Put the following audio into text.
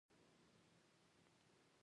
په دوی کې اماني دوره یوازنۍ دوره وه.